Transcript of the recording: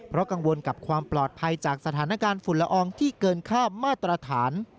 เพราะกังวลกับความปลอดภัยจากสถานการณ์ฝุ่นละอองที่เกินค่ามาตรฐาน